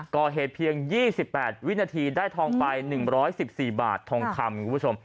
ก่อเหตุเพียง๒๘วินาทีได้ทองไป๑๑๔บาททองคำคุณผู้ชม